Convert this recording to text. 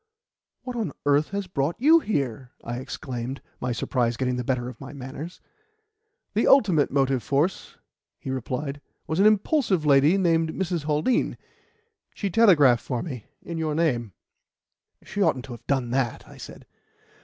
"What on earth has brought you here?" I exclaimed, my surprise getting the better of my manners. "The ultimate motive force," he replied, "was an impulsive lady named Mrs. Haldean. She telegraphed for me in your name." "She oughtn't to have done that," I said.